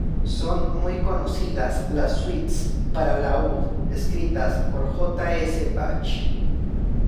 Son muy conocidas las suites para laúd escritas por J. S. Bach.